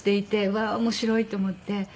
わあ面白いと思って。